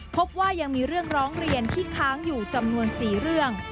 พบว่ายังมีเรื่องร้องเรียนที่ค้างอยู่จำนวน๔เรื่อง